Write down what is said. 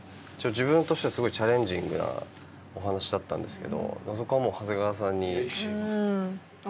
自分としてはすごいチャレンジングなお話だったんですけどそこはもういやいやいやいや。